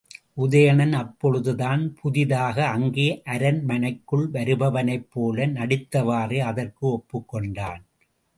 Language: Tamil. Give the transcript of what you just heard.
உதயணன் அப்பொழுதுதான் புதிதாக அங்கே அரண்மனைக்குள் வருபவனைப்போல நடித்தவாறே அதற்கு ஒப்புக் கொண்டான்.